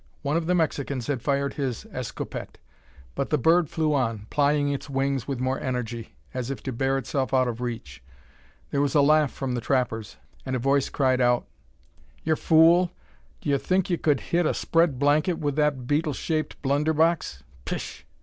One of the Mexicans had fired his escopette; but the bird flew on, plying its wings with more energy, as if to bear itself out of reach. There was a laugh from the trappers, and a voice cried out "Yur fool! D'yur think 'ee kud hit a spread blanket wi' that beetle shaped blunderbox? Pish!"